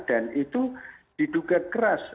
dan itu diduga keras